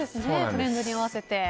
トレンドに合わせて。